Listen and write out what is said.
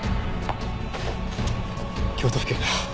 京都府警だ。